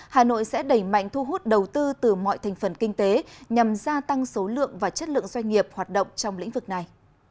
hà nội sẽ đẩy mạnh thu hút đầu tư từ mọi thành phần kinh tế nhằm gia tăng số lượng và chất lượng doanh nghiệp hoạt động trong lĩnh vực này